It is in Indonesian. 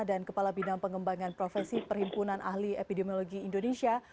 dan kepala bidang pengembangan profesi perhimpunan ahli epidemiologi indonesia